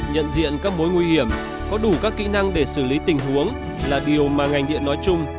nhận diện các mối nguy hiểm có đủ các kỹ năng để xử lý tình huống là điều mà ngành điện nói chung